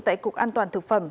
tại cục an toàn thực phẩm